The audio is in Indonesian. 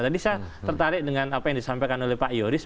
tadi saya tertarik dengan apa yang disampaikan oleh pak yoris